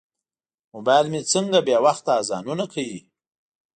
موبایل مې څنګه بې وخته اذانونه کوي.